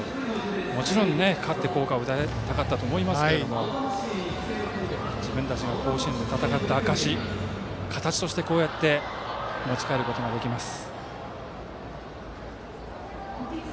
もちろん、勝って校歌を歌いたかったと思いますが自分たちが甲子園で戦った証しとして持ち帰ることができます。